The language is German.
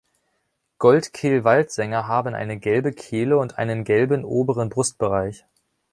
Goldkehl-Waldsänger haben eine gelbe Kehle und einen gelben oberen Brustbereich.